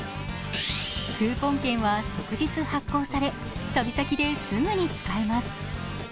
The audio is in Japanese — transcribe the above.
クーポン券は即日発行され、旅先ですぐに使えます。